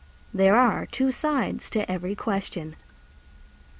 There are two sides to every question.